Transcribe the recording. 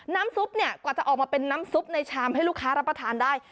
ซุปเนี่ยกว่าจะออกมาเป็นน้ำซุปในชามให้ลูกค้ารับประทานได้